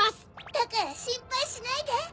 だからしんぱいしないで！